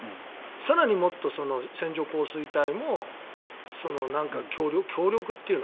更にもっと線状降水帯も強力というの？